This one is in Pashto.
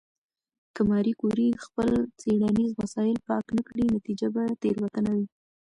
که ماري کوري خپل څېړنیز وسایل پاک نه کړي، نتیجه به تېروتنه وي.